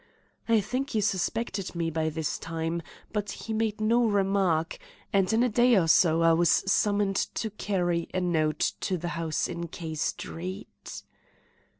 I think he suspected me by this time; but he made no remark, and in a day or so I was summoned to carry a note to the house in K Street.